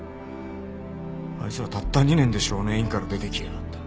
あいつらたった２年で少年院から出てきやがった。